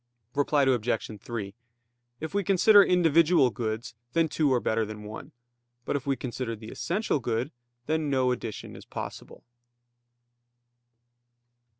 Reply Obj. 3: If we consider individual goods, then two are better than one. But if we consider the essential good, then no addition is possible.